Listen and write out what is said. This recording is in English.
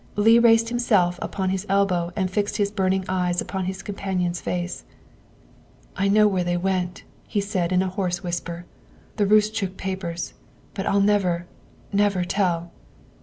Leigh raised himself upon his elbow and fixed his burning eyes upon his companion's face. " I know where they went," he said in a hoarse whisper, " the Roostchook papers, but I'll never, never tell!"